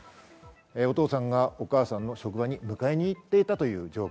お父さんがお母さんの職場に迎えに行っていたという状況。